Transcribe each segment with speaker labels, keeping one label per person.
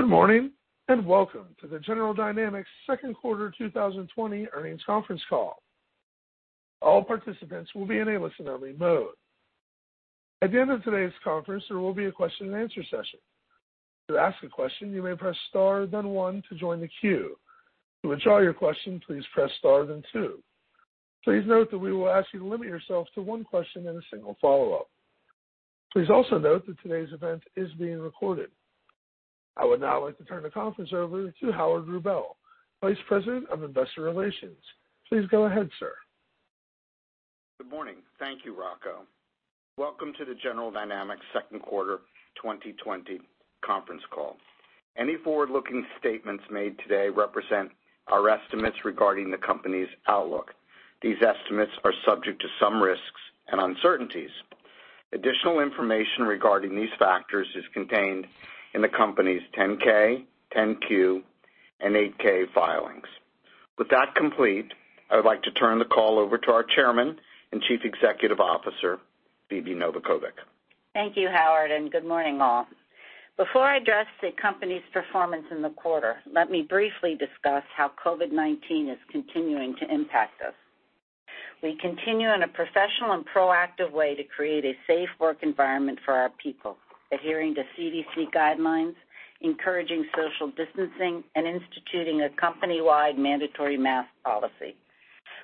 Speaker 1: Good morning, and welcome to the General Dynamics second quarter 2020 earnings conference call. All participants will be in a listen-only mode. At the end of today's conference, there will be a question-and-answer session. To ask a question, you may press star then one to join the queue. To withdraw your question, please press star then two. Please note that we will ask you to limit yourself to one question and a single follow-up. Please also note that today's event is being recorded. I would now like to turn the conference over to Howard Rubel, Vice President of Investor Relations. Please go ahead, sir.
Speaker 2: Good morning. Thank you, Rocco. Welcome to the General Dynamics second quarter 2020 conference call. Any forward-looking statements made today represent our estimates regarding the company's outlook. These estimates are subject to some risks and uncertainties. Additional information regarding these factors is contained in the company's 10-K, 10-Q, and 8-K filings. With that complete, I would like to turn the call over to our Chairman and Chief Executive Officer, Phebe Novakovic.
Speaker 3: Thank you, Howard, and good morning, all. Before I address the company's performance in the quarter, let me briefly discuss how COVID-19 is continuing to impact us. We continue in a professional and proactive way to create a safe work environment for our people, adhering to CDC guidelines, encouraging social distancing, and instituting a company-wide mandatory mask policy.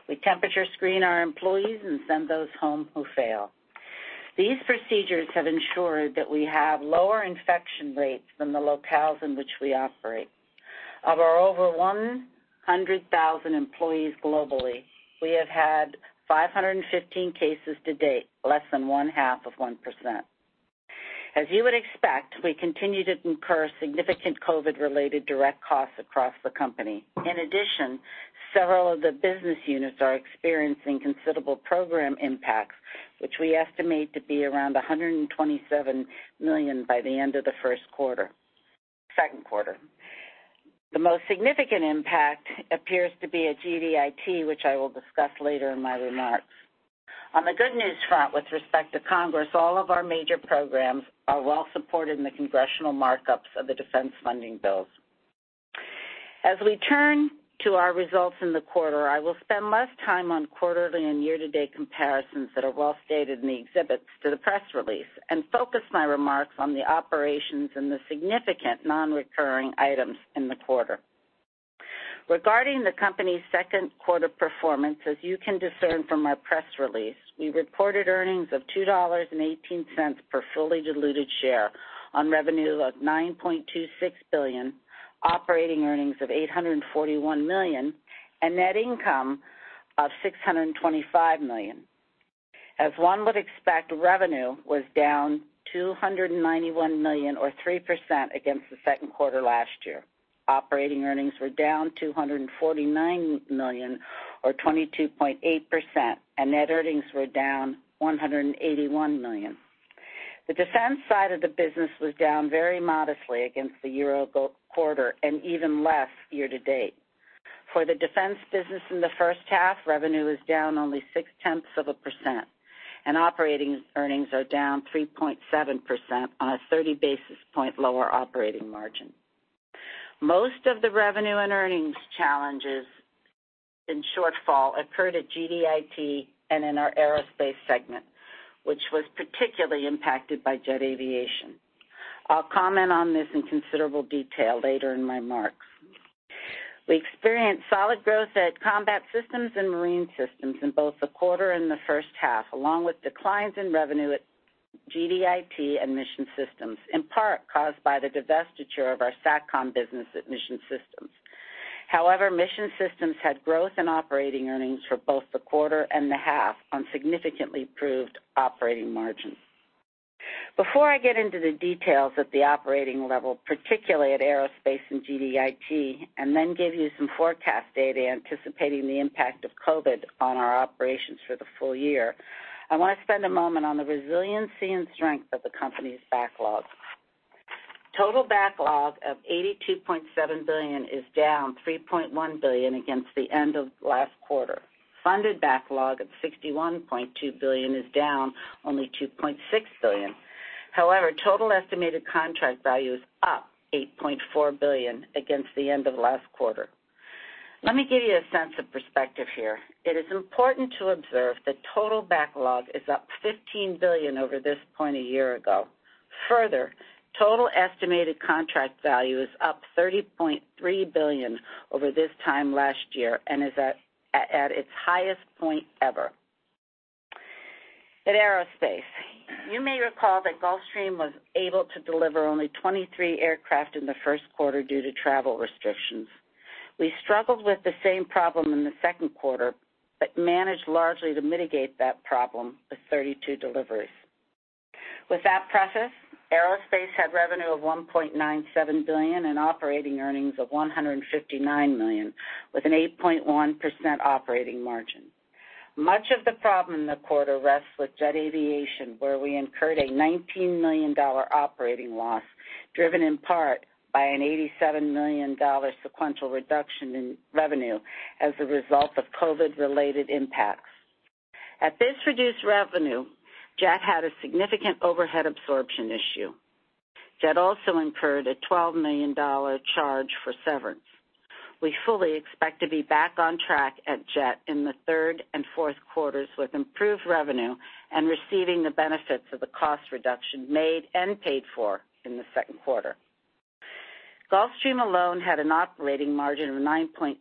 Speaker 3: We temperature screen our employees and send those home who fail. These procedures have ensured that we have lower infection rates than the locales in which we operate. Of our over 100,000 employees globally, we have had 515 cases to date, less than one-half of 1%. As you would expect, we continue to incur significant COVID-related direct costs across the company. Several of the business units are experiencing considerable program impacts, which we estimate to be around $127 million by the end of the second quarter. The most significant impact appears to be at GDIT, which I will discuss later in my remarks. On the good news front with respect to Congress, all of our major programs are well supported in the congressional markups of the defense funding bills. We turn to our results in the quarter, I will spend less time on quarterly and year-to-date comparisons that are well-stated in the exhibits to the press release and focus my remarks on the operations and the significant non-recurring items in the quarter. Regarding the company's second quarter performance, as you can discern from our press release, we reported earnings of $2.18 per fully diluted share on revenue of $9.26 billion, operating earnings of $841 million, and net income of $625 million. One would expect revenue was down $291 million or 3% against the second quarter last year. Operating earnings were down $249 million or 22.8%, and net earnings were down $181 million. The defense side of the business was down very modestly against the year-ago quarter and even less year-to-date. For the defense business in the first half, revenue is down only six-tenths of a percent, and operating earnings are down 3.7% on a 30-basis-point lower operating margin. Most of the revenue and earnings challenges in shortfall occurred at GDIT and in our Aerospace segment, which was particularly impacted by Jet Aviation. I'll comment on this in considerable detail later in my remarks. We experienced solid growth at Combat Systems and Marine Systems in both the quarter and the first half, along with declines in revenue at GDIT and Mission Systems, in part caused by the divestiture of our SATCOM business at Mission Systems. However, Mission Systems had growth in operating earnings for both the quarter and the half on significantly improved operating margins. Before I get into the details at the operating level, particularly at Aerospace and GDIT, and then give you some forecast data anticipating the impact of COVID-19 on our operations for the full year, I want to spend a moment on the resiliency and strength of the company's backlog. Total backlog of $82.7 billion is down $3.1 billion against the end of last quarter. Funded backlog of $61.2 billion is down only $2.6 billion. Total estimated contract value is up $8.4 billion against the end of last quarter. Let me give you a sense of perspective here. It is important to observe that total backlog is up $15 billion over this point a year ago. Further, total estimated contract value is up $30.3 billion over this time last year and is at its highest point ever. At Aerospace, you may recall that Gulfstream was able to deliver only 23 aircraft in the first quarter due to travel restrictions. We struggled with the same problem in the second quarter, but managed largely to mitigate that problem with 32 deliveries. With that preface, Aerospace had revenue of $1.97 billion and operating earnings of $159 million, with an 8.1% operating margin. Much of the problem in the quarter rests with Jet Aviation, where we incurred a $19 million operating loss, driven in part by an $87 million sequential reduction in revenue as a result of COVID-related impacts. At this reduced revenue, Jet had a significant overhead absorption issue. Jet also incurred a $12 million charge for severance. We fully expect to be back on track at Jet in the third and fourth quarters with improved revenue and receiving the benefits of the cost reduction made and paid for in the second quarter. Gulfstream alone had an operating margin of 9.8%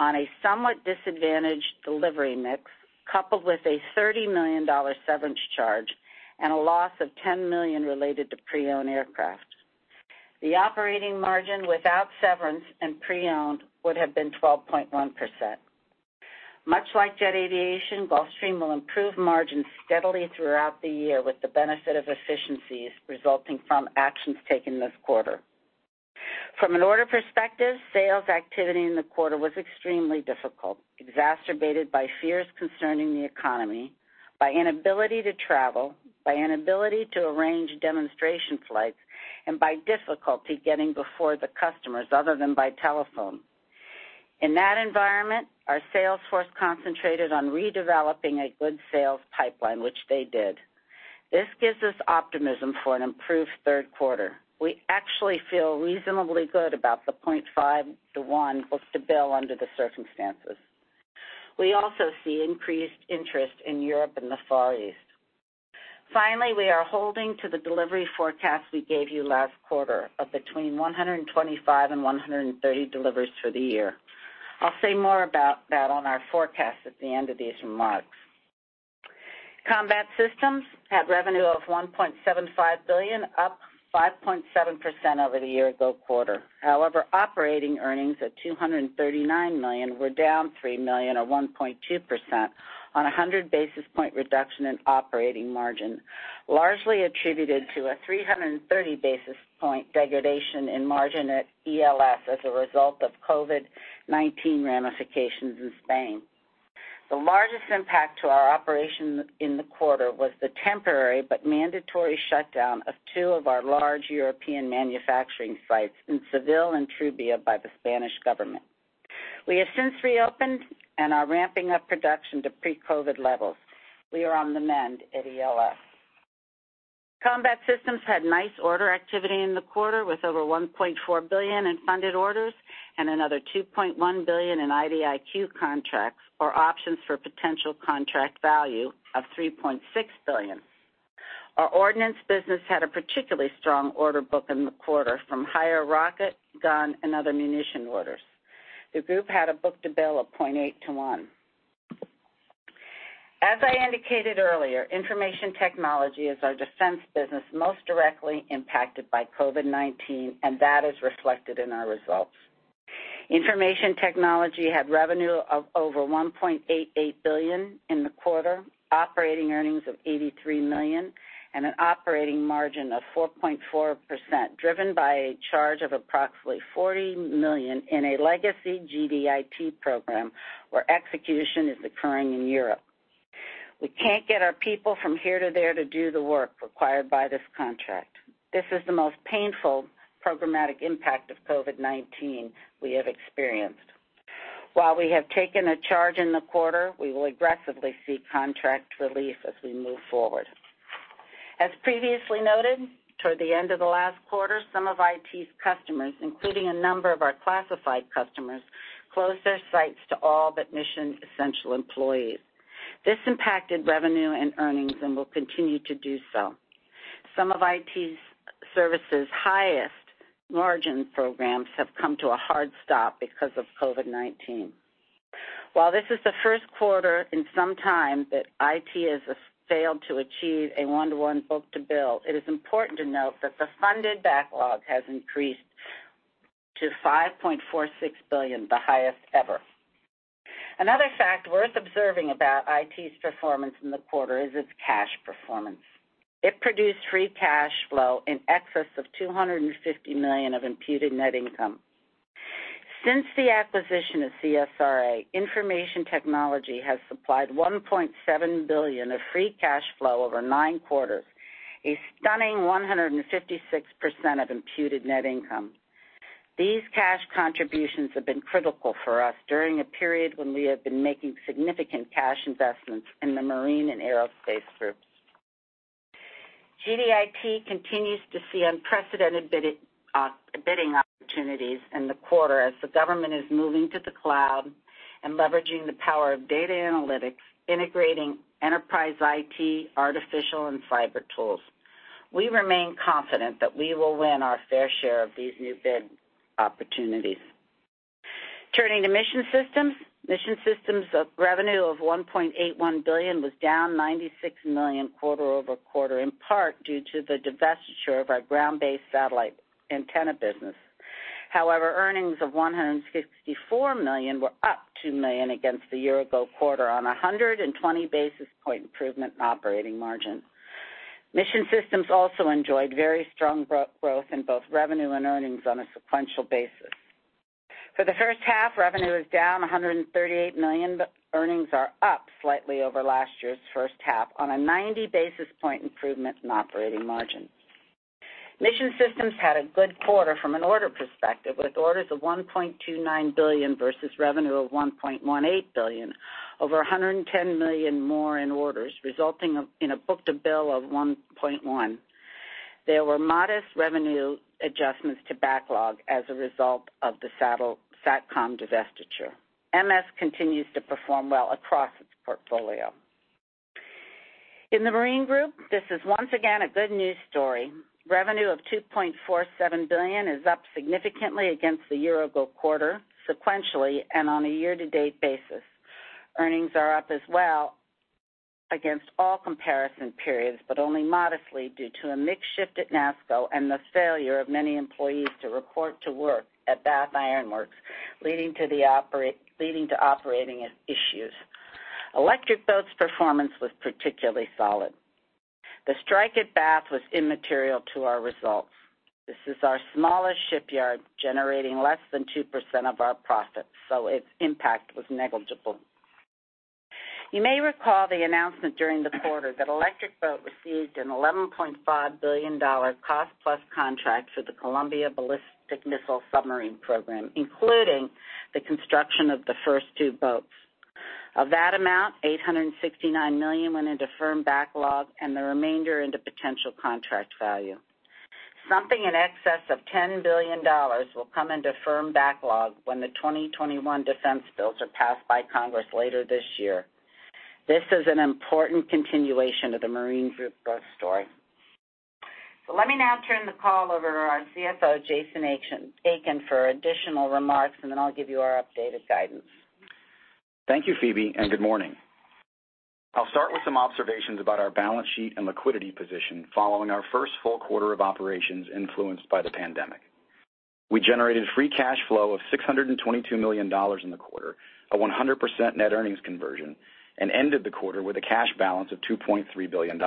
Speaker 3: on a somewhat disadvantaged delivery mix, coupled with a $30 million severance charge and a loss of $10 million related to pre-owned aircraft. The operating margin without severance and pre-owned would have been 12.1%. Much like Jet Aviation, Gulfstream will improve margins steadily throughout the year with the benefit of efficiencies resulting from actions taken this quarter. From an order perspective, sales activity in the quarter was extremely difficult, exacerbated by fears concerning the economy, by inability to travel, by inability to arrange demonstration flights, and by difficulty getting before the customers other than by telephone. In that environment, our sales force concentrated on redeveloping a good sales pipeline, which they did. This gives us optimism for an improved third quarter. We actually feel reasonably good about the 0.5 to one book-to-bill under the circumstances. We also see increased interest in Europe and the Far East. Finally, we are holding to the delivery forecast we gave you last quarter of between 125 and 130 deliveries for the year. I'll say more about that on our forecast at the end of these remarks. Combat Systems had revenue of $1.75 billion, up 5.7% over the year-ago quarter. However, operating earnings of $239 million were down $3 million, or 1.2%, on 100-basis-point reduction in operating margin, largely attributed to a 330-basis-point degradation in margin at ELS as a result of COVID-19 ramifications in Spain. The largest impact to our operation in the quarter was the temporary but mandatory shutdown of two of our large European manufacturing sites in Seville and Trubia by the Spanish government. We have since reopened and are ramping up production to pre-COVID levels. We are on the mend at ELS. Combat Systems had nice order activity in the quarter, with over $1.4 billion in funded orders and another $2.1 billion in IDIQ contracts, or options for potential contract value of $3.6 billion. Our Ordnance business had a particularly strong order book in the quarter from higher rocket, gun, and other munition orders. The group had a book-to-bill of 0.8 to one. As I indicated earlier, Information Technology is our defense business most directly impacted by COVID-19, and that is reflected in our results. Information Technology had revenue of over $1.88 billion in the quarter, operating earnings of $83 million, and an operating margin of 4.4%, driven by a charge of approximately $40 million in a legacy GDIT program where execution is occurring in Europe. We can't get our people from here to there to do the work required by this contract. This is the most painful programmatic impact of COVID-19 we have experienced. While we have taken a charge in the quarter, we will aggressively seek contract relief as we move forward. As previously noted, toward the end of the last quarter, some of IT's customers, including a number of our classified customers, closed their sites to all but mission-essential employees. This impacted revenue and earnings and will continue to do so. Some of IT's services' highest margin programs have come to a hard stop because of COVID-19. While this is the first quarter in some time that IT has failed to achieve a one-to-one book-to-bill, it is important to note that the funded backlog has increased to $5.46 billion, the highest ever. Another fact worth observing about IT's performance in the quarter is its cash performance. It produced free cash flow in excess of $250 million of imputed net income. Since the acquisition of CSRA, Information Technology has supplied $1.7 billion of free cash flow over nine quarters, a stunning 156% of imputed net income. These cash contributions have been critical for us during a period when we have been making significant cash investments in the Marine and Aerospace groups. GDIT continues to see unprecedented bidding opportunities in the quarter as the government is moving to the cloud and leveraging the power of data analytics, integrating enterprise IT, artificial and cyber tools. We remain confident that we will win our fair share of these new bid opportunities. Turning to Mission Systems. Mission Systems' revenue of $1.81 billion was down $96 million quarter-over-quarter, in part due to the divestiture of our ground-based satellite antenna business. Earnings of $164 million were up $2 million against the year-ago quarter on 120-basis-point improvement in operating margin. Mission Systems also enjoyed very strong growth in both revenue and earnings on a sequential basis. For the first half, revenue is down $138 million, but earnings are up slightly over last year's first half on a 90-basis-point improvement in operating margin. Mission Systems had a good quarter from an order perspective, with orders of $1.29 billion versus revenue of $1.18 billion, over $110 million more in orders, resulting in a book-to-bill of 1.1. There were modest revenue adjustments to backlog as a result of the SATCOM divestiture. MS continues to perform well across its portfolio. In the Marine group, this is once again a good news story. Revenue of $2.47 billion is up significantly against the year-ago quarter, sequentially, and on a year-to-date basis. Earnings are up as well against all comparison periods, but only modestly due to a mix shift at NASSCO and the failure of many employees to report to work at Bath Iron Works, leading to operating issues. Electric Boat's performance was particularly solid. The strike at Bath was immaterial to our results. This is our smallest shipyard, generating less than 2% of our profits, so its impact was negligible. You may recall the announcement during the quarter that Electric Boat received an $11.5 billion cost-plus contract for the Columbia ballistic missile submarine program, including the construction of the first two boats. Of that amount, $869 million went into firm backlog and the remainder into potential contract value. Something in excess of $10 billion will come into firm backlog when the 2021 defense bills are passed by Congress later this year. This is an important continuation of the Marine Group growth story. Let me now turn the call over to our CFO, Jason Aiken, for additional remarks, and then I'll give you our updated guidance.
Speaker 4: Thank you, Phebe, and good morning. I'll start with some observations about our balance sheet and liquidity position following our first full quarter of operations, influenced by the pandemic. We generated free cash flow of $622 million in the quarter, a 100% net earnings conversion, and ended the quarter with a cash balance of $2.3 billion.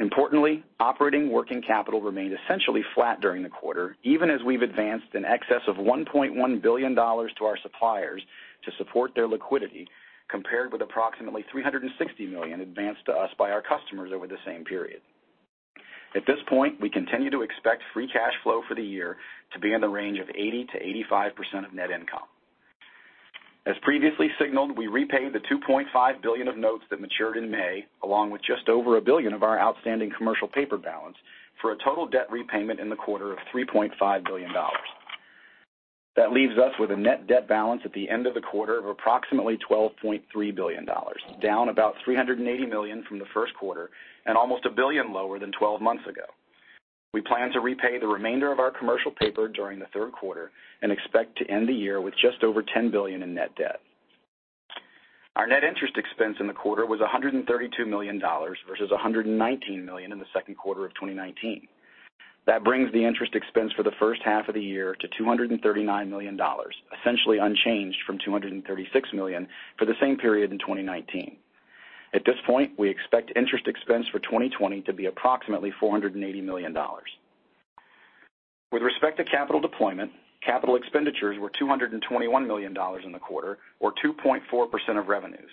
Speaker 4: Importantly, operating working capital remained essentially flat during the quarter, even as we've advanced in excess of $1.1 billion to our suppliers to support their liquidity, compared with approximately $360 million advanced to us by our customers over the same period. At this point, we continue to expect free cash flow for the year to be in the range of 80%-85% of net income. As previously signaled, we repaid the $2.5 billion of notes that matured in May, along with just over $1 billion of our outstanding commercial paper balance, for a total debt repayment in the quarter of $3.5 billion. That leaves us with a net debt balance at the end of the quarter of approximately $12.3 billion, down about $380 million from the first quarter, and almost $1 billion lower than 12 months ago. We plan to repay the remainder of our commercial paper during the third quarter and expect to end the year with just over $10 billion in net debt. Our net interest expense in the quarter was $132 million, versus $119 million in the second quarter of 2019. That brings the interest expense for the first half of the year to $239 million, essentially unchanged from $236 million for the same period in 2019. At this point, we expect interest expense for 2020 to be approximately $480 million. With respect to capital deployment, capital expenditures were $221 million in the quarter, or 2.4% of revenues.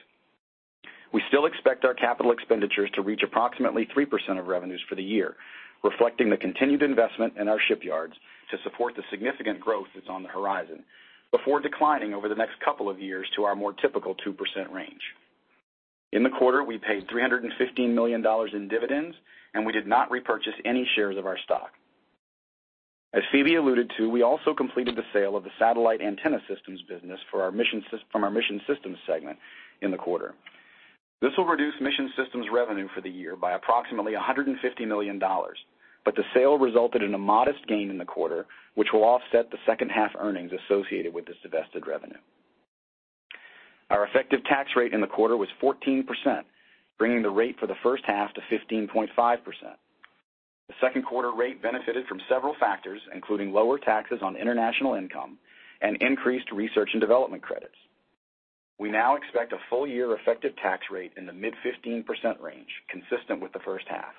Speaker 4: We still expect our capital expenditures to reach approximately 3% of revenues for the year, reflecting the continued investment in our shipyards to support the significant growth that's on the horizon before declining over the next couple of years to our more typical 2% range. In the quarter, we paid $315 million in dividends, and we did not repurchase any shares of our stock. As Phebe alluded to, we also completed the sale of the satellite antenna systems business from our Mission Systems segment in the quarter. This will reduce Mission Systems' revenue for the year by approximately $150 million, but the sale resulted in a modest gain in the quarter, which will offset the second-half earnings associated with this divested revenue. Our effective tax rate in the quarter was 14%, bringing the rate for the first half to 15.5%. The second quarter rate benefited from several factors, including lower taxes on international income and increased research and development credits. We now expect a full-year effective tax rate in the mid-15% range, consistent with the first half.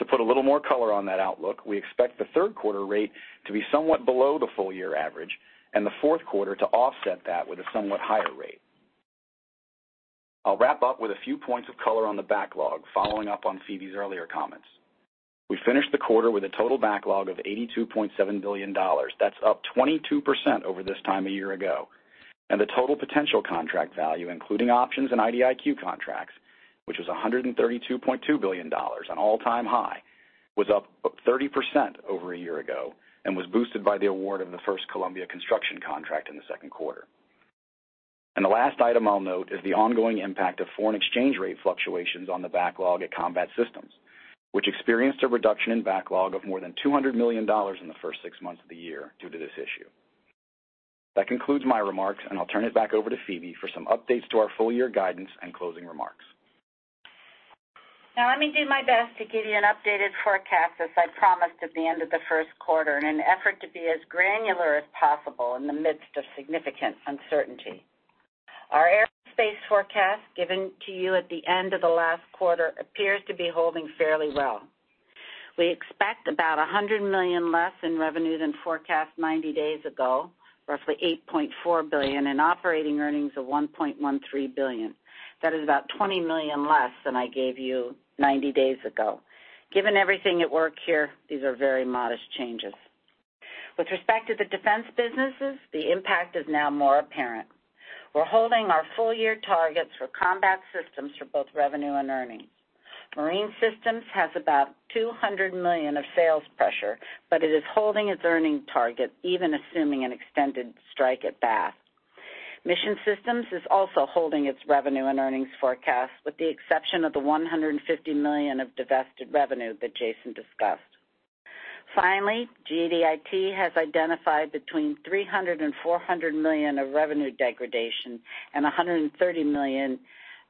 Speaker 4: To put a little more color on that outlook, we expect the third quarter rate to be somewhat below the full year average and the fourth quarter to offset that with a somewhat higher rate. I'll wrap up with a few points of color on the backlog, following up on Phebe's earlier comments. We finished the quarter with a total backlog of $82.7 billion. That's up 22% over this time a year ago, and the total potential contract value, including options and IDIQ contracts, which was $132.2 billion, an all-time high, was up 30% over a year ago and was boosted by the award of the first Columbia construction contract in the second quarter. The last item I'll note is the ongoing impact of foreign exchange rate fluctuations on the backlog at Combat Systems, which experienced a reduction in backlog of more than $200 million in the first six months of the year due to this issue. That concludes my remarks, and I'll turn it back over to Phebe for some updates to our full-year guidance and closing remarks.
Speaker 3: Now, let me do my best to give you an updated forecast as I promised at the end of the first quarter, in an effort to be as granular as possible in the midst of significant uncertainty. Our Aerospace forecast given to you at the end of the last quarter appears to be holding fairly well. We expect about $100 million less in revenue than forecast 90 days ago, roughly $8.4 billion, and operating earnings of $1.13 billion. That is about $20 million less than I gave you 90 days ago. Given everything at work here, these are very modest changes. With respect to the defense businesses, the impact is now more apparent. We're holding our full-year targets for Combat Systems for both revenue and earnings. Marine Systems has about $200 million of sales pressure, but it is holding its earning target, even assuming an extended strike at Bath. Mission Systems is also holding its revenue and earnings forecast, with the exception of the $150 million of divested revenue that Jason discussed. GDIT has identified between $300 million and $400 million of revenue degradation and $130 million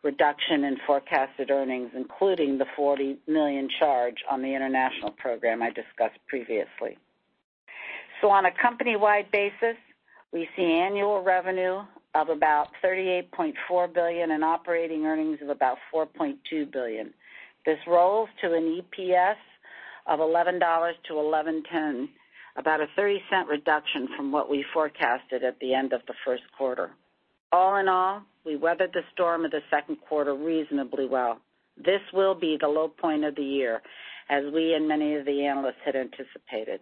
Speaker 3: reduction in forecasted earnings, including the $40 million charge on the international program I discussed previously. On a company-wide basis, we see annual revenue of about $38.4 billion and operating earnings of about $4.2 billion. This rolls to an EPS of $11-$11.10, about a $0.30 reduction from what we forecasted at the end of the first quarter. All in all, we weathered the storm of the second quarter reasonably well. This will be the low point of the year, as we and many of the analysts had anticipated.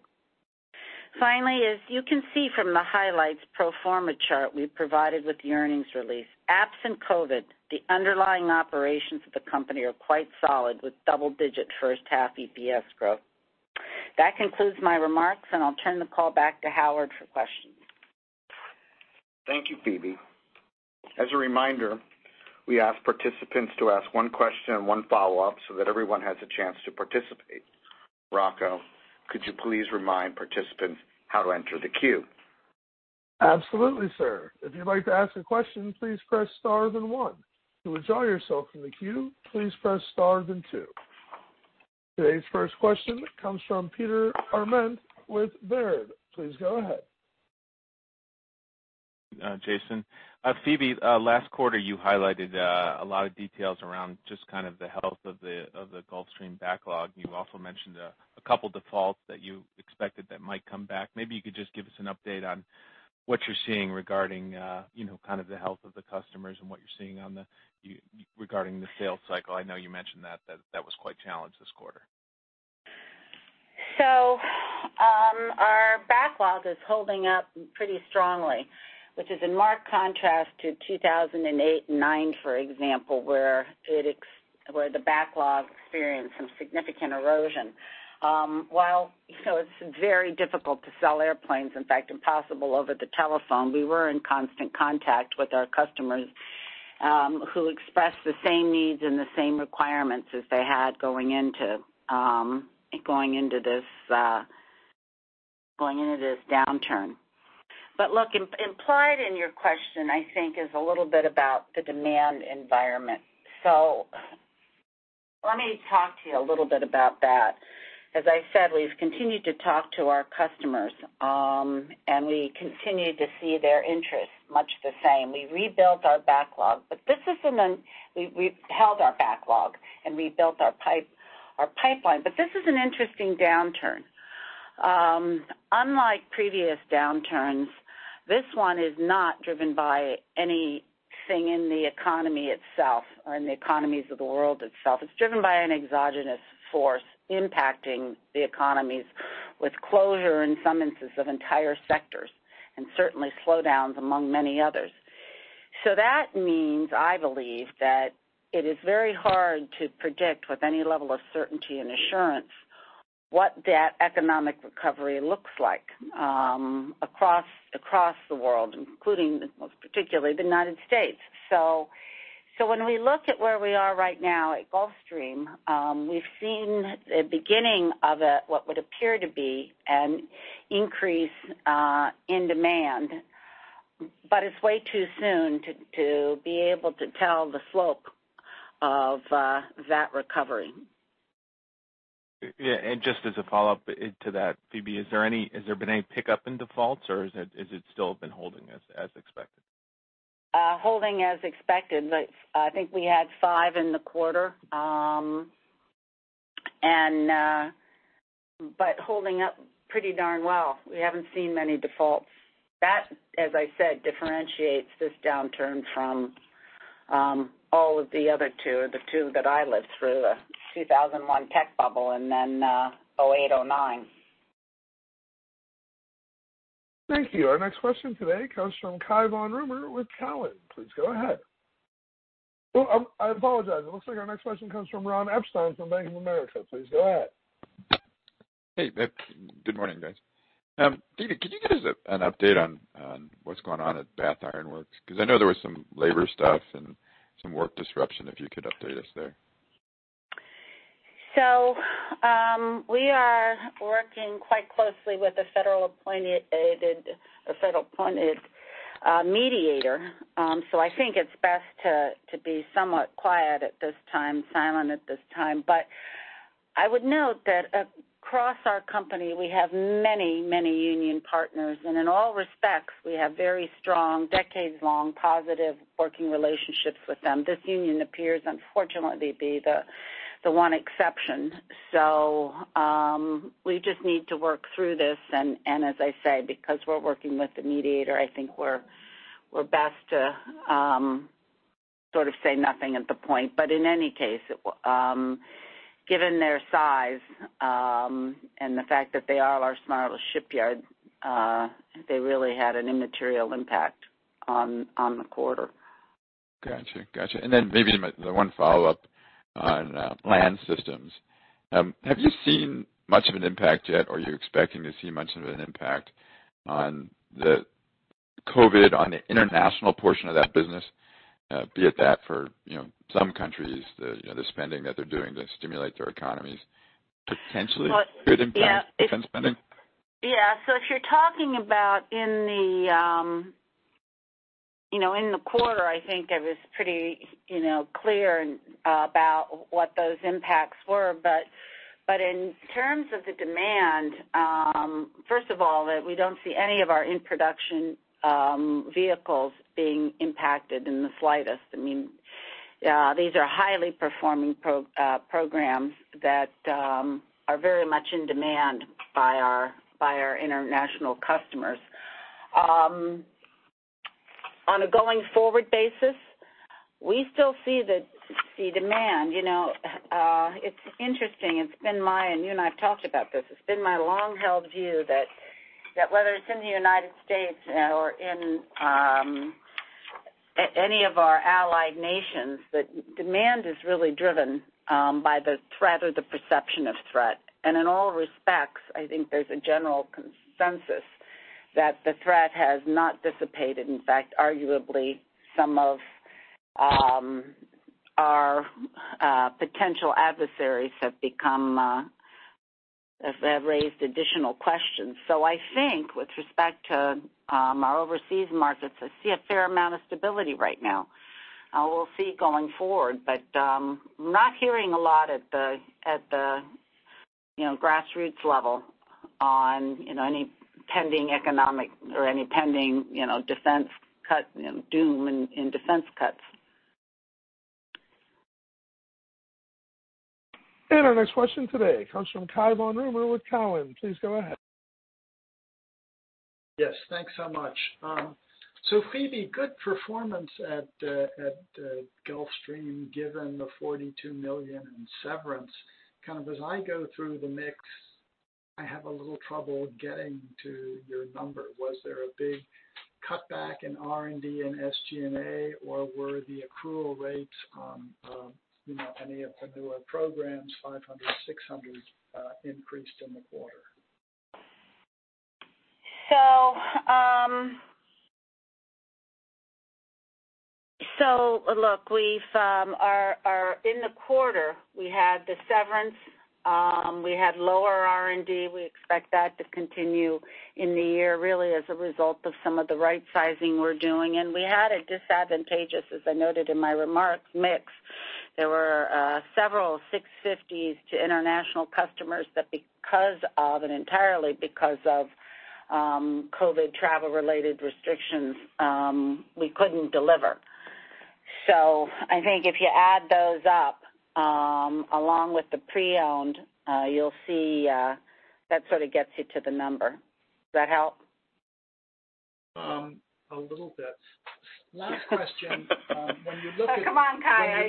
Speaker 3: As you can see from the highlights pro forma chart we provided with the earnings release, absent COVID, the underlying operations of the company are quite solid, with double-digit first-half EPS growth. That concludes my remarks, and I'll turn the call back to Howard for questions.
Speaker 2: Thank you, Phebe. As a reminder, we ask participants to ask one question and one follow-up so that everyone has a chance to participate. Rocco, could you please remind participants how to enter the queue?
Speaker 1: Absolutely, sir. If you'd like to ask a question, please press star then one. To withdraw yourself from the queue, please press star then two. Today's first question comes from Peter Arment with Baird. Please go ahead.
Speaker 5: Jason. Phebe, last quarter, you highlighted a lot of details around just kind of the health of the Gulfstream backlog. You also mentioned a couple defaults that you expected that might come back. Maybe you could just give us an update on what you're seeing regarding kind of the health of the customers and what you're seeing regarding the sales cycle. I know you mentioned that was quite challenged this quarter.
Speaker 3: Our backlog is holding up pretty strongly, which is in marked contrast to 2008 and 2009, for example, where the backlog experienced some significant erosion. While it's very difficult to sell airplanes, in fact, impossible over the telephone, we were in constant contact with our customers, who expressed the same needs and the same requirements as they had going into this downturn. Look, implied in your question, I think, is a little bit about the demand environment. Let me talk to you a little bit about that. As I said, we've continued to talk to our customers, and we continue to see their interest much the same. We rebuilt our backlog. We've held our backlog and rebuilt our pipeline. This is an interesting downturn. Unlike previous downturns, this one is not driven by anything in the economy itself or in the economies of the world itself. It's driven by an exogenous force impacting the economies with closure in some instances of entire sectors and certainly slowdowns among many others. That means, I believe, that it is very hard to predict with any level of certainty and assurance what that economic recovery looks like across the world, including most particularly the U.S. When we look at where we are right now at Gulfstream, we've seen the beginning of what would appear to be an increase in demand, but it's way too soon to be able to tell the slope of that recovery.
Speaker 5: Yeah, just as a follow-up to that, Phebe, has there been any pickup in defaults, or has it still been holding as expected?
Speaker 3: Holding as expected. I think we had five in the quarter, but holding up pretty darn well. We haven't seen many defaults. That, as I said, differentiates this downturn from all of the other two, or the two that I lived through, the 2001 tech bubble and then 2008, 2009.
Speaker 1: Thank you. Our next question today comes from Cai von Rumohr with Cowen. Please go ahead. Oh, I apologize. It looks like our next question comes from Ron Epstein from Bank of America. Please go ahead.
Speaker 6: Hey. Good morning, guys. Phebe, could you give us an update on what's going on at Bath Iron Works? I know there was some labor stuff and some work disruption; if you could update us there.
Speaker 3: We are working quite closely with a federal-appointed mediator. I think it's best to be somewhat quiet at this time, silent at this time. I would note that across our company, we have many union partners, and in all respects, we have very strong, decades-long, positive working relationships with them. This union appears, unfortunately, to be the one exception. We just need to work through this, and as I say, because we're working with the mediator, I think we're best to sort of say nothing at the point. In any case, given their size and the fact that they are our smallest shipyard, they really had an immaterial impact on the quarter.
Speaker 6: Got you. Maybe the one follow-up on Combat Systems. Have you seen much of an impact yet, or are you expecting to see much of an impact on the COVID-19 on the international portion of that business, be it that for some countries, the spending that they're doing to stimulate their economies potentially could impact defense spending?
Speaker 3: Yeah. If you're talking about in the quarter, I think I was pretty clear about what those impacts were. In terms of the demand, first of all, that we don't see any of our in-production vehicles being impacted in the slightest. These are highly performing programs that are very much in demand by our international customers. On a going-forward basis, we still see demand. It's interesting, you and I have talked about this. It's been my long-held view that whether it's in the U.S. or in any of our allied nations, that demand is really driven by the threat or the perception of threat. In all respects, I think there's a general consensus that the threat has not dissipated. In fact, arguably, some of our potential adversaries have raised additional questions. I think with respect to our overseas markets, I see a fair amount of stability right now. We'll see going forward, but I'm not hearing a lot at the grassroots level on any pending economic or any pending doom in defense cuts.
Speaker 1: Our next question today comes from Cai von Rumohr with Cowen. Please go ahead.
Speaker 7: Yes, thanks so much. Phebe, good performance at Gulfstream, given the $42 million in severance. As I go through the mix, I have a little trouble getting to your number. Was there a big cutback in R&D and SG&A, were the accrual rates on any of the newer programs, G500, G600, increased in the quarter?
Speaker 3: Look, in the quarter, we had the severance, we had lower R&D. We expect that to continue in the year, really as a result of some of the right sizing we're doing. We had a disadvantageous, as I noted in my remarks, mix. There were several G650s to international customers that because of, and entirely because of, COVID travel-related restrictions, we couldn't deliver. I think if you add those up, along with the pre-owned, you'll see that sort of gets you to the number. Does that help?
Speaker 7: A little bit. Last question.
Speaker 3: Oh, come on, Cai.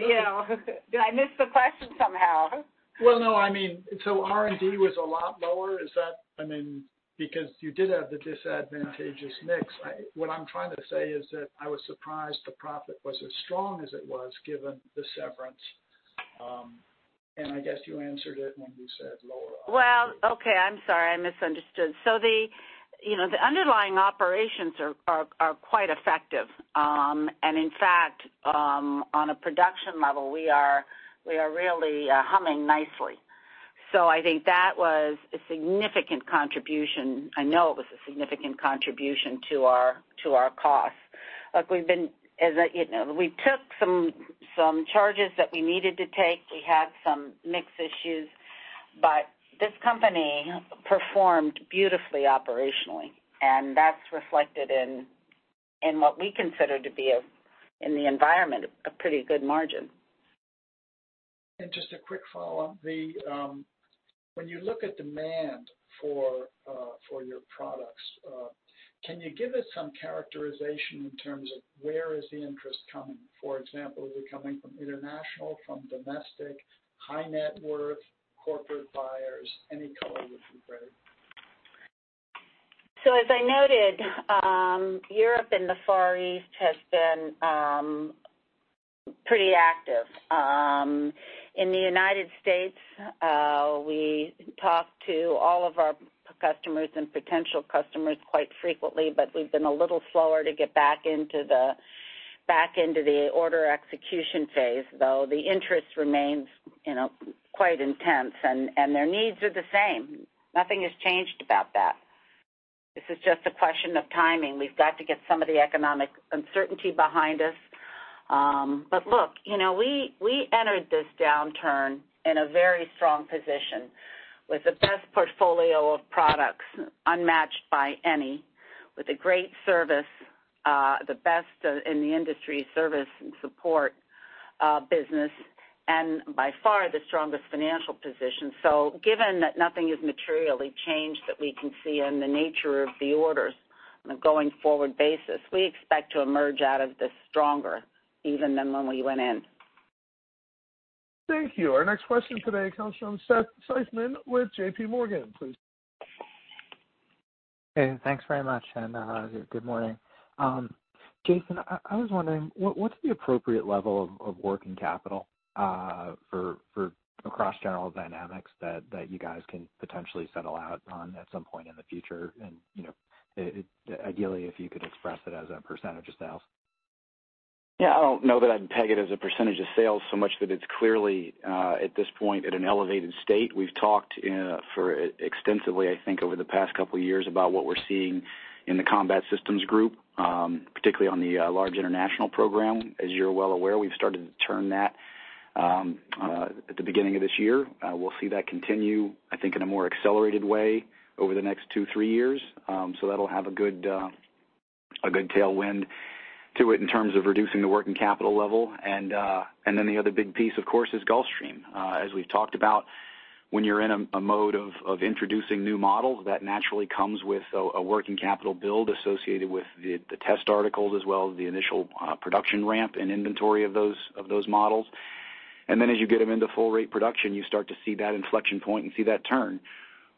Speaker 3: Did I miss the question somehow?
Speaker 7: Well, no, I mean, R&D was a lot lower. You did have the disadvantageous mix. What I'm trying to say is that I was surprised the profit was as strong as it was given the severance. I guess you answered it when you said lower R&D.
Speaker 3: Well, okay. I'm sorry, I misunderstood. The underlying operations are quite effective. In fact, on a production level, we are really humming nicely. I think that was a significant contribution. I know it was a significant contribution to our costs. We took some charges that we needed to take. We had some mix issues. This company performed beautifully operationally, and that's reflected in what we consider to be, in the environment, a pretty good margin.
Speaker 7: Just a quick follow-up. When you look at demand for your products, can you give us some characterization in terms of where is the interest coming? For example, is it coming from international, from domestic, high net worth corporate buyers? Any color would be great.
Speaker 3: As I noted, Europe and the Far East has been pretty active. In the U.S., we talk to all of our customers and potential customers quite frequently, but we've been a little slower to get back into the order execution phase, though the interest remains quite intense, and their needs are the same. Nothing has changed about that. This is just a question of timing. We've got to get some of the economic uncertainty behind us. Look, we entered this downturn in a very strong position with the best portfolio of products unmatched by any, with a great service, the best in the industry service and support-business and by far the strongest financial position. Given that nothing has materially changed that we can see in the nature of the orders on a going-forward basis, we expect to emerge out of this stronger even than when we went in.
Speaker 1: Thank you. Our next question today comes from Seth Seifman with JPMorgan. Please go ahead.
Speaker 8: Hey, thanks very much. Good morning. Jason, I was wondering, what's the appropriate level of working capital for across General Dynamics that you guys can potentially settle out on at some point in the future? Ideally, if you could express it as a percentage of sales.
Speaker 4: I don't know that I'd peg it as a percentage of sales so much that it's clearly, at this point, at an elevated state. We've talked extensively, I think, over the past couple of years about what we're seeing in the Combat Systems group, particularly on the large international program. As you're well aware, we've started to turn that at the beginning of this year. We'll see that continue, I think, in a more accelerated way over the next two, three years. That'll have a good tailwind to it in terms of reducing the working capital level. The other big piece, of course, is Gulfstream. As we've talked about, when you're in a mode of introducing new models, that naturally comes with a working capital build associated with the test articles, as well as the initial production ramp and inventory of those models. As you get them into full rate production, you start to see that inflection point and see that turn.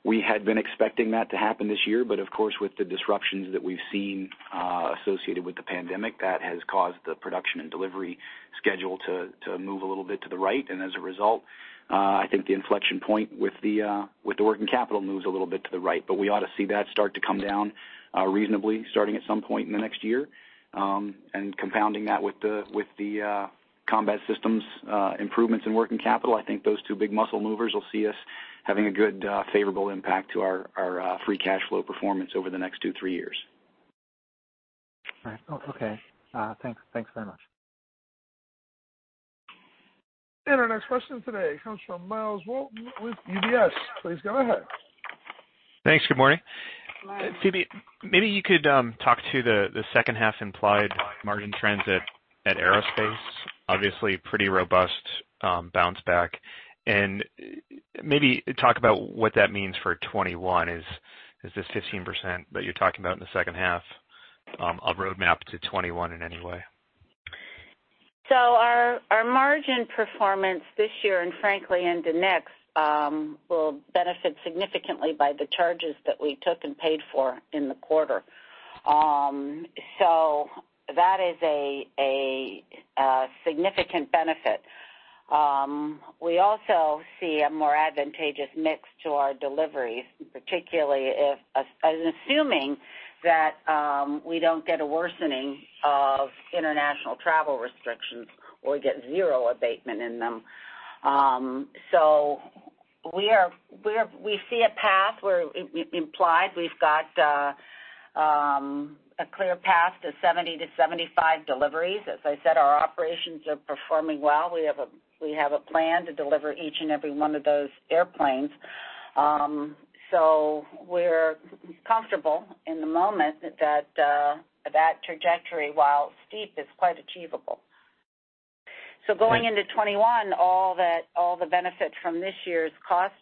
Speaker 4: We had been expecting that to happen this year. Of course, with the disruptions that we've seen associated with the pandemic, that has caused the production and delivery schedule to move a little bit to the right, and as a result, I think the inflection point with the working capital moves a little bit to the right. We ought to see that start to come down reasonably starting at some point in the next year. Compounding that with the Combat Systems improvements in working capital, I think those two big muscle movers will see us having a good favorable impact to our free cash flow performance over the next two, three years.
Speaker 8: All right. Okay. Thanks very much.
Speaker 1: Our next question today comes from Myles Walton with UBS. Please go ahead.
Speaker 9: Thanks. Good morning.
Speaker 3: Myles.
Speaker 9: Phebe, maybe you could talk to the second half implied margin trends at Aerospace. Obviously, pretty robust bounce back. Maybe talk about what that means for 2021. Is this 15% that you're talking about in the second half a roadmap to 2021 in any way?
Speaker 3: Our margin performance this year and frankly into next, will benefit significantly by the charges that we took and paid for in the quarter. That is a significant benefit. We also see a more advantageous mix to our deliveries, particularly if, and assuming that we don't get a worsening of international travel restrictions or get zero abatement in them. We see a path where we've implied we've got a clear path to 70-75 deliveries. As I said, our operations are performing well. We have a plan to deliver each and every one of those airplanes. We're comfortable in the moment that that trajectory, while steep, is quite achievable. Going into 2021, all the benefit from this year's cost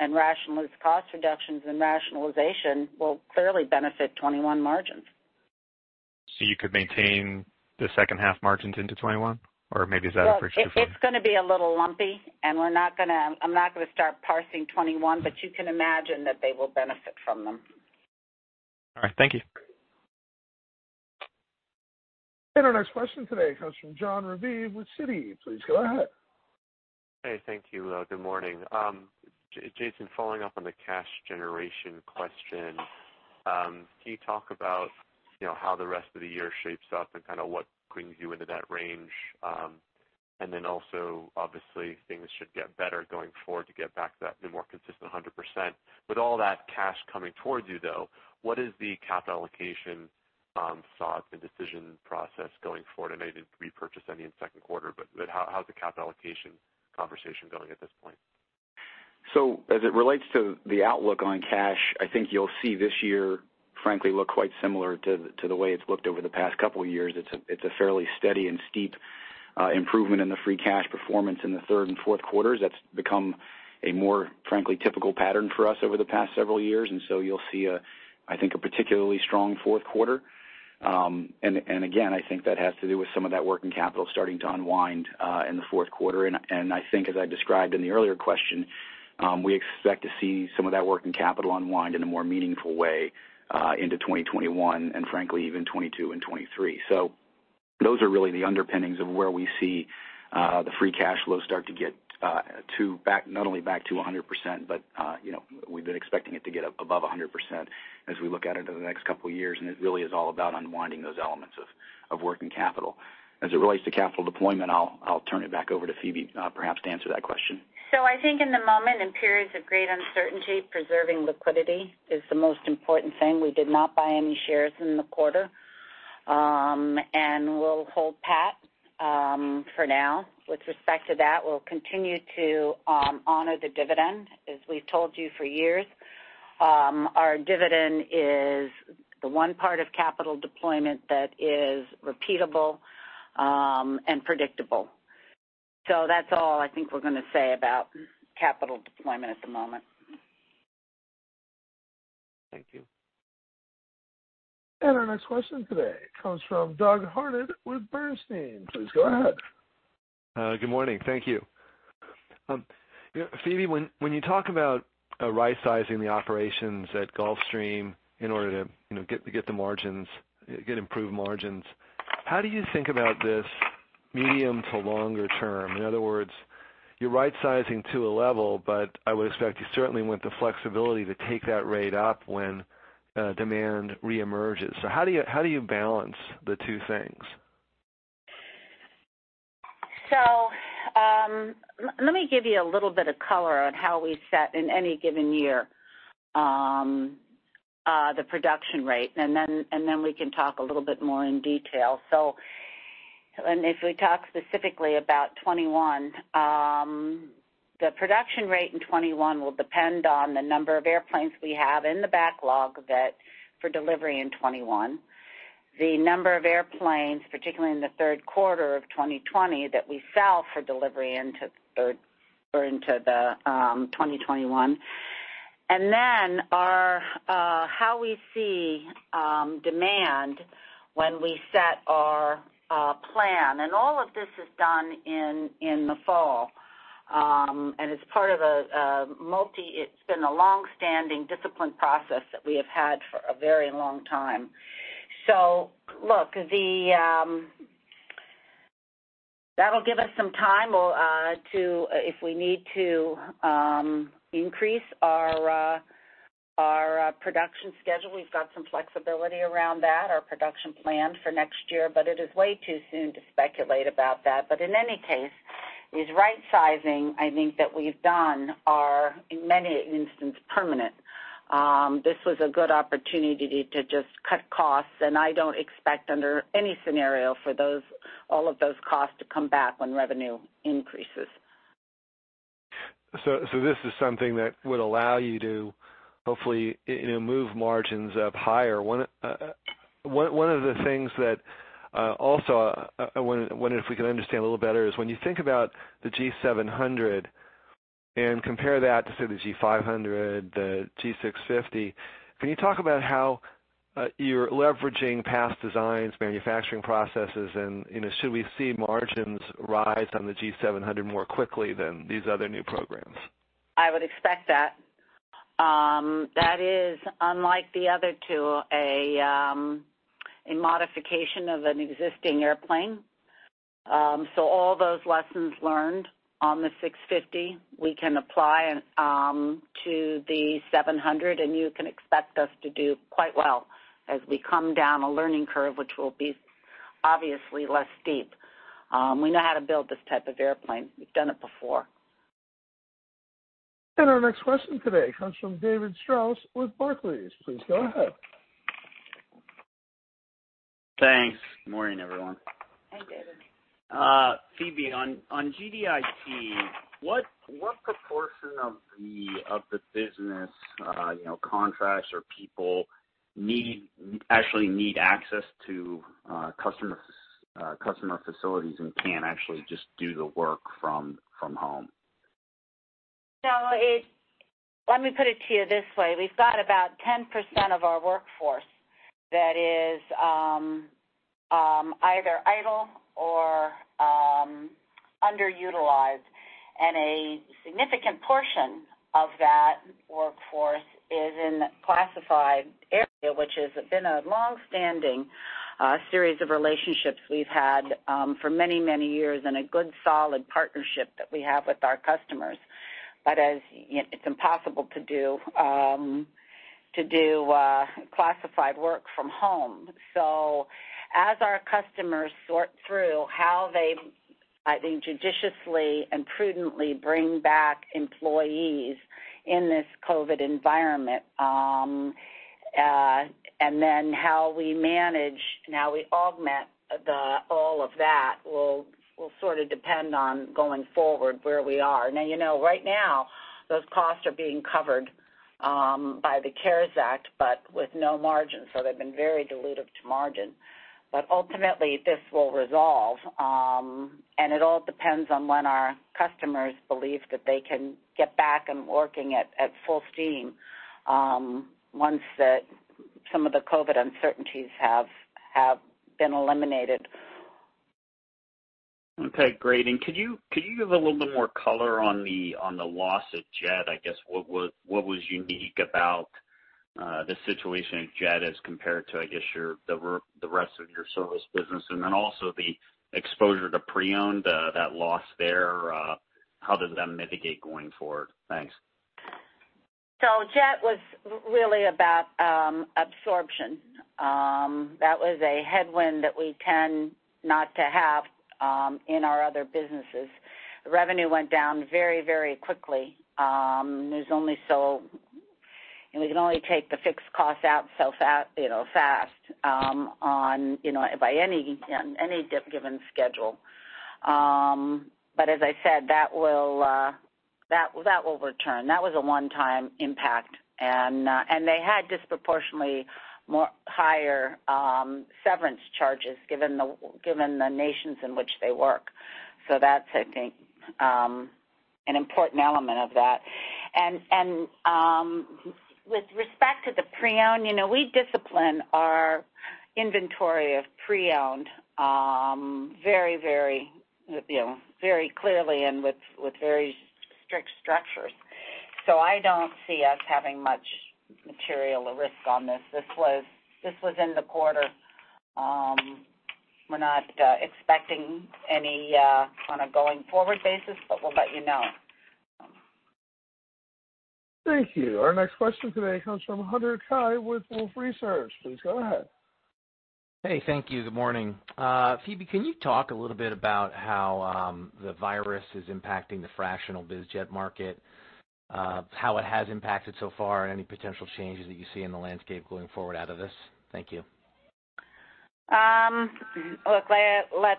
Speaker 3: and rationalized cost reductions and rationalization will clearly benefit 2021 margins.
Speaker 9: You could maintain the second half margins into 2021?
Speaker 3: It's going to be a little lumpy, and I'm not going to start parsing 2021, but you can imagine that they will benefit from them.
Speaker 9: All right. Thank you.
Speaker 1: Our next question today comes from Jon Raviv with Citi. Please go ahead.
Speaker 10: Hey, thank you. Good morning. Jason, following up on the cash generation question, can you talk about how the rest of the year shapes up and kind of what brings you into that range? Also, obviously, things should get better going forward to get back to that more consistent 100%. With all that cash coming towards you, though, what is the capital allocation thought and decision process going forward? I know you didn't repurchase any in the second quarter, but how's the capital allocation conversation going at this point?
Speaker 4: As it relates to the outlook on cash, I think you'll see this year, frankly, look quite similar to the way it's looked over the past couple of years. It's a fairly steady and steep improvement in the free cash performance in the third and fourth quarters. That's become a more, frankly, typical pattern for us over the past several years. You'll see, I think, a particularly strong fourth quarter. Again, I think that has to do with some of that working capital starting to unwind in the fourth quarter. I think as I described in the earlier question, we expect to see some of that working capital unwind in a more meaningful way into 2021 and frankly, even 2022 and 2023. Those are really the underpinnings of where we see the free cash flow start to get not only back to 100%, but we've been expecting it to get up above 100% as we look out into the next couple of years. It really is all about unwinding those elements of working capital. As it relates to capital deployment, I'll turn it back over to Phebe perhaps to answer that question.
Speaker 3: I think in the moment, in periods of great uncertainty, preserving liquidity is the most important thing. We did not buy any shares in the quarter. We'll hold pat for now. With respect to that, we'll continue to honor the dividend. As we've told you for years, our dividend is the one part of capital deployment that is repeatable and predictable. That's all I think we're going to say about capital deployment at the moment.
Speaker 10: Thank you.
Speaker 1: Our next question today comes from Doug Harned with Bernstein. Please go ahead.
Speaker 11: Good morning. Thank you. Phebe, when you talk about right-sizing the operations at Gulfstream in order to get improved margins, how do you think about this medium to longer term? In other words, you're right-sizing to a level, but I would expect you certainly want the flexibility to take that rate up when demand re-emerges. How do you balance the two things?
Speaker 3: Let me give you a little bit of color on how we set, in any given year, the production rate, and then we can talk a little more in detail. If we talk specifically about 2021, the production rate in 2021 will depend on the number of airplanes we have in the backlog for delivery in 2021, the number of airplanes, particularly in the third quarter of 2020, that we sell for delivery into 2021. Then how we see demand when we set our plan. All of this is done in the fall, and it's been a longstanding discipline process that we have had for a very long time. Look, that'll give us some time if we need to increase our production schedule. We've got some flexibility around that, our production plan for next year, but it is way too soon to speculate about that. In any case, these right-sizing, I think, that we've done are, in many instances, permanent. This was a good opportunity to just cut costs, and I don't expect under any scenario for all of those costs to come back when revenue increases.
Speaker 11: This is something that would allow you to hopefully move margins up higher. One of the things that also I wonder if we can understand a little better is when you think about the G700 and compare that to, say, the G500, the G650, can you talk about how you're leveraging past designs, manufacturing processes, and should we see margins rise on the G700 more quickly than these other new programs?
Speaker 3: I would expect that. That is, unlike the other two, a modification of an existing airplane. All those lessons learned on the 650, we can apply to the 700, and you can expect us to do quite well as we come down a learning curve, which will be obviously, less steep. We know how to build this type of airplane. We've done it before.
Speaker 1: Our next question today comes from David Strauss with Barclays. Please go ahead.
Speaker 12: Thanks. Good morning, everyone.
Speaker 3: Hi, David.
Speaker 12: Phebe, on GDIT, what proportion of the business, contracts or people actually need access to customer facilities and can't actually just do the work from home?
Speaker 3: Let me put it to you this way. We've got about 10% of our workforce that is either idle or underutilized, and a significant portion of that workforce is in classified area, which has been a longstanding series of relationships we've had for many, many years and a good, solid partnership that we have with our customers. It's impossible to do classified work from home. As our customers sort through how they, I think, judiciously and prudently bring back employees in this COVID environment, and then how we manage and how we augment all of that will sort of depend on going forward where we are. Right now, those costs are being covered by the CARES Act, but with no margin, so they've been very dilutive to margin. Ultimately, this will resolve, and it all depends on when our customers believe that they can get back and working at full steam once some of the COVID uncertainties have been eliminated.
Speaker 12: Okay. Great. Could you give a little bit more color on the loss at Jet? I guess what was unique about the situation at Jet as compared to, I guess, the rest of your service business, and then also the exposure to pre-owned, that loss there. How does that mitigate going forward? Thanks.
Speaker 3: Jet was really about absorption. That was a headwind that we tend not to have in our other businesses. Revenue went down very quickly. We can only take the fixed cost out so fast by any given schedule. As I said, that will return. That was a one-time impact, and they had disproportionately higher severance charges given the nations in which they work. That's, I think, an important element of that. With respect to the pre-owned, we discipline our inventory of pre-owned very clearly and with very strict structures. I don't see us having much material risk on this. This was in the quarter. We're not expecting any on a going-forward basis, but we'll let you know.
Speaker 1: Thank you. Our next question today comes from Hunter Keay with Wolfe Research. Please go ahead.
Speaker 13: Hey, thank you. Good morning. Phebe, can you talk a little bit about how the virus is impacting the fractional biz jet market, how it has impacted so far, and any potential changes that you see in the landscape going forward out of this? Thank you.
Speaker 3: Look, let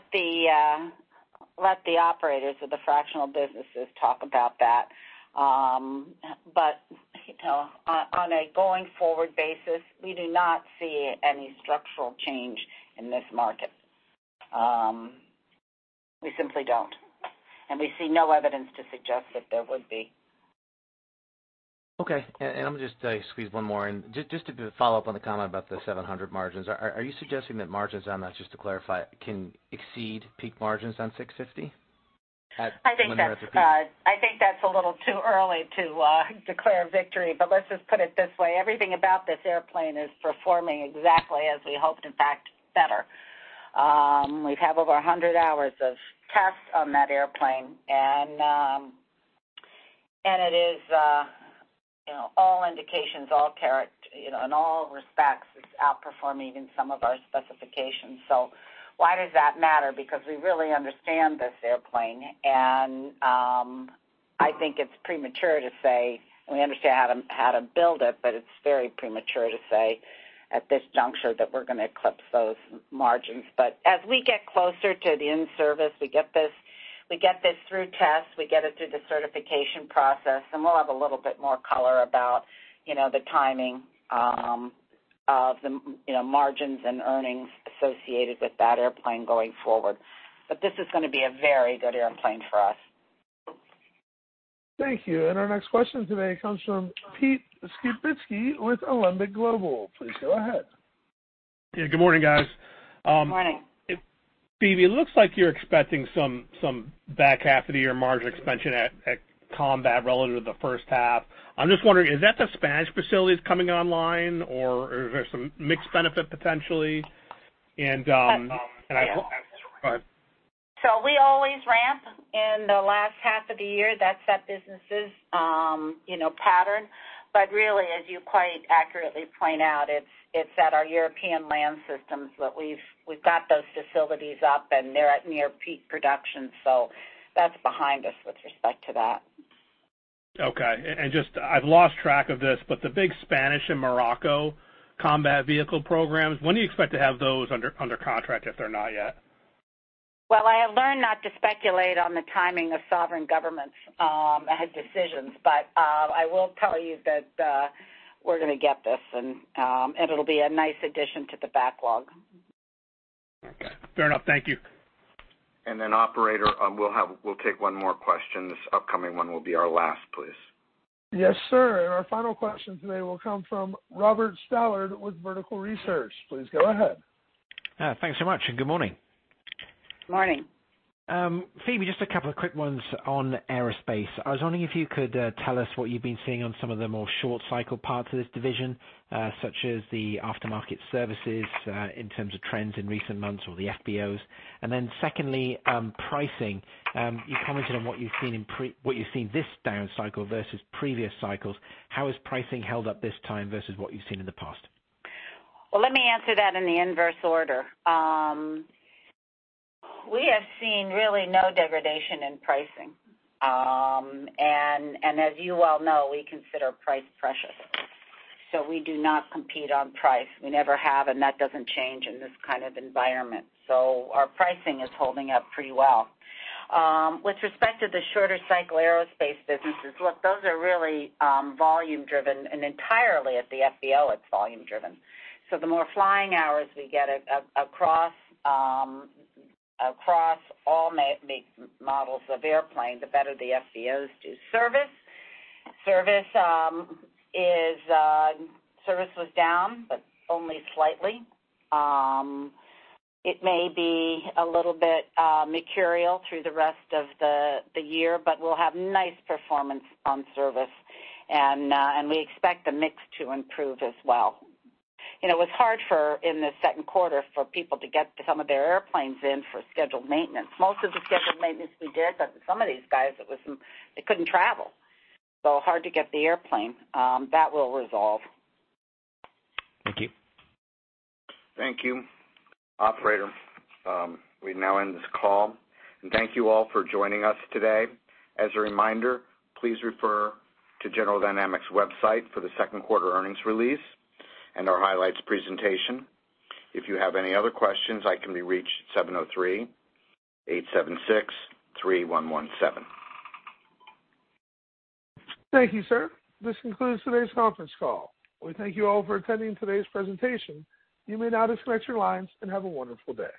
Speaker 3: the operators of the fractional businesses talk about that. On a going-forward basis, we do not see any structural change in this market. We simply don't. We see no evidence to suggest that there would be.
Speaker 13: Okay. I'm going to just squeeze one more in. Just to follow up on the comment about the G700 margins, are you suggesting that margins on that, just to clarify, can exceed peak margins on G650?
Speaker 3: I think that's a little too early to declare victory, but let's just put it this way. Everything about this airplane is performing exactly as we hoped. In fact, better. We have over 100 hours of tests on that airplane, and it is, in all indications, in all respects, it's outperforming even some of our specifications. Why does that matter? Because we really understand this airplane, and I think it's premature to say we understand how to build it, but it's very premature to say at this juncture that we're going to eclipse those margins. As we get closer to the in-service, we get this through tests, we get it through the certification process, and we'll have a little bit more color about the timing of the margins and earnings associated with that airplane going forward. This is going to be a very good airplane for us.
Speaker 1: Thank you. Our next question today comes from Pete Skibitski with Alembic Global. Please go ahead.
Speaker 14: Yeah, good morning, guys.
Speaker 3: Morning.
Speaker 14: Phebe, it looks like you're expecting some back half of the year margin expansion at Combat relative to the first half. I'm just wondering, is that the Spanish facilities coming online, or is there some mix benefit potentially?
Speaker 3: We always ramp in the last half of the year. That's that business' pattern. Really, as you quite accurately point out, it's at our European Land Systems that we've got those facilities up, and they're at near peak production. That's behind us with respect to that.
Speaker 14: Okay. I've lost track of this, but the big Spanish and Morocco combat vehicle programs, when do you expect to have those under contract, if they're not yet?
Speaker 3: Well, I have learned not to speculate on the timing of sovereign governments' decisions, but I will tell you that we're going to get this, and it'll be a nice addition to the backlog.
Speaker 14: Okay. Fair enough. Thank you.
Speaker 2: Operator, we'll take one more question. This upcoming one will be our last, please.
Speaker 1: Yes, sir. Our final question today will come from Robert Stallard with Vertical Research. Please go ahead.
Speaker 15: Thanks so much, and good morning.
Speaker 3: Morning.
Speaker 15: Phebe, just a couple of quick ones on Aerospace. I was wondering if you could tell us what you've been seeing on some of the more short cycle parts of this division, such as the aftermarket services in terms of trends in recent months or the FBOs. Secondly, pricing. You commented on what you've seen this down cycle versus previous cycles. How has pricing held up this time versus what you've seen in the past?
Speaker 3: Let me answer that in the inverse order. We have seen really no degradation in pricing. As you well know, we consider price precious. We do not compete on price. We never have, and that doesn't change in this kind of environment. Our pricing is holding up pretty well. With respect to the shorter cycle Aerospace businesses, look, those are really volume driven and entirely at the FBO, it's volume driven. The more flying hours we get across all models of airplane, the better the FBOs do. Service was down, but only slightly. It may be a little bit mercurial through the rest of the year, but we'll have nice performance on service, and we expect the mix to improve as well. It was hard in the second quarter for people to get some of their airplanes in for scheduled maintenance. Most of the scheduled maintenance we did, but some of these guys, they couldn't travel. Hard to get the airplane. That will resolve.
Speaker 15: Thank you.
Speaker 2: Thank you. Operator, we now end this call. Thank you all for joining us today. As a reminder, please refer to General Dynamics' website for the second quarter earnings release and our highlights presentation. If you have any other questions, I can be reached at 703-876-3117.
Speaker 1: Thank you, sir. This concludes today's conference call. We thank you all for attending today's presentation. You may now disconnect your lines, and have a wonderful day.